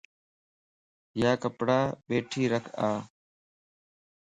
يا ڪپڙا ٻيٺي رک ا